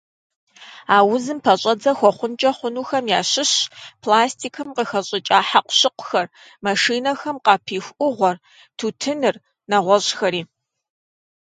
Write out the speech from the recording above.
А узым пэщӀэдзэ хуэхъункӀэ хъунухэм ящыщщ пластикым къыхэщӏыкӏа хьэкъущыкъухэр, машинэхэм къапиху Ӏугъуэр, тутыныр, нэгъуэщӏхэри.